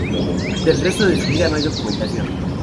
Del resto de su vida no hay documentación.